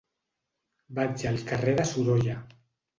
Vaig al carrer de Sorolla.